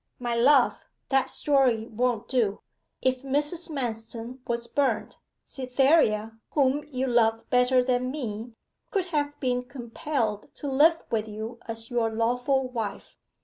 'My love, that story won't do. If Mrs. Manston was burnt, Cytherea, whom you love better than me, could have been compelled to live with you as your lawful wife.